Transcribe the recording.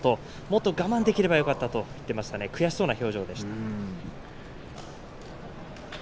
もっと我慢できればよかったと悔しそうな表情でした。